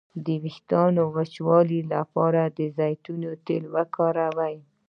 د ویښتو د وچوالي لپاره د زیتون تېل وکاروئ